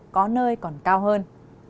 có nơi còn cao hơn